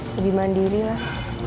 jadi lebih mandiri lah